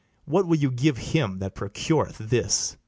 What will you give him that procureth this?